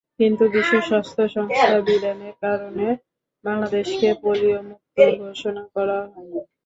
কিন্তু বিশ্ব স্বাস্থ্য সংস্থার বিধানের কারণে বাংলাদেশকে পোলিওমুক্ত ঘোষণা করা হয়নি।